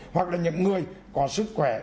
hoặc là những người có sức khỏe